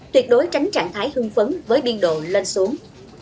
tuyệt đối tránh trạng thái hưng phấn với biên độ lên xuống